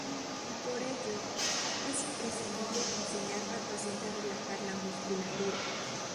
Por ello, es imprescindible enseñar al paciente a relajar la musculatura.